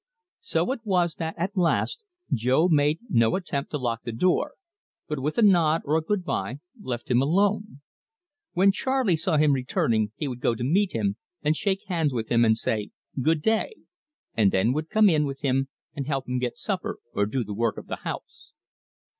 So it was that, at last, Jo made no attempt to lock the door, but with a nod or a good bye left him alone. When Charley saw him returning he would go to meet him, and shake hands with him, and say "Good day," and then would come in with him and help him get supper or do the work of the house.